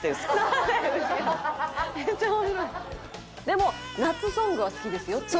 でも夏ソングは好きですよっていう。